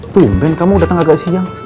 tungguin kamu datang agak siang